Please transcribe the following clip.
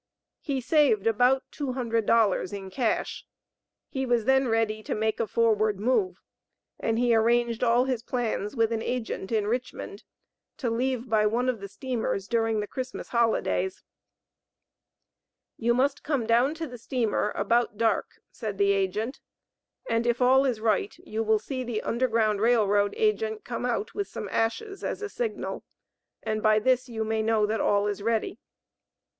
He saved about two hundred dollars in cash; he was then ready to make a forward move, and he arranged all his plans with an agent in Richmond to leave by one of the steamers during the Christmas holidays. "You must come down to the steamer about dark," said the agent "and if all is right you will see the Underground Rail Road agent come out with some ashes as a signal, and by this you may know that all is ready."